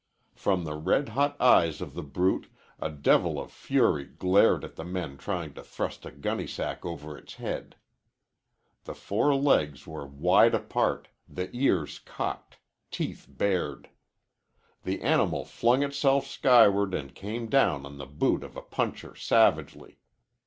From the red hot eyes of the brute a devil of fury glared at the men trying to thrust a gunny sack over its head. The four legs were wide apart, the ears cocked, teeth bared. The animal flung itself skyward and came down on the boot of a puncher savagely.